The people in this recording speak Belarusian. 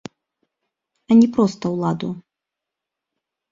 А не проста ўладу.